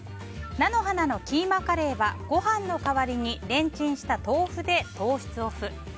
菜の花のキーマカレーはご飯の代わりにレンチンした豆腐で糖質オフ。